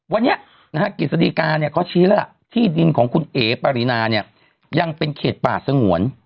วันนี้กฤษฎีการเขาชี้แล้วที่ดินของคุณเอ๋ปรินายังเป็นเขตป่าสงวน